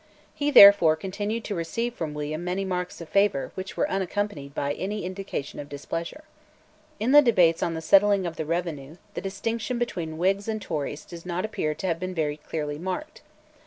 He therefore continued to receive from William many marks of favour which were unaccompanied by any indication of displeasure. In the debates on the settling of the revenue, the distinction between Whigs and Tories does not appear to have been very clearly marked.